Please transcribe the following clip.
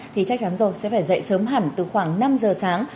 thì chắc chắn rồi sẽ phải dậy sớm hẳn từ khoảng năm giờ sáng